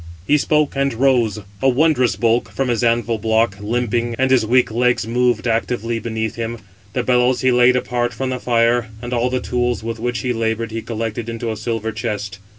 79. He spoke and rose, a wondrous bulk, 592 from his anvil block, limping, and his weak legs moved actively beneath him. The bellows he laid apart from the fire, and all the tools with which he laboured he collected into a silver chest.